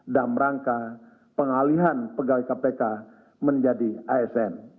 dan merangka pengalihan pegawai kpk menjadi as